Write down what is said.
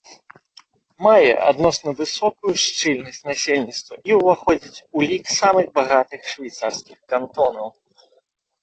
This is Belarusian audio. Мае адносна высокую шчыльнасць насельніцтва і ўваходзіць у лік самых багатых швейцарскіх кантонаў.